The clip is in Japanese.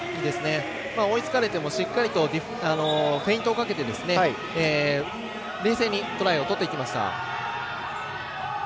追いつかれてもしっかりとフェイントをかけて冷静にトライを取っていきました。